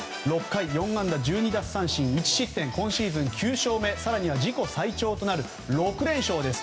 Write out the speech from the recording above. ６回４安打１２奪三振１失点今シーズン９勝目更には自己最長となる６連勝です。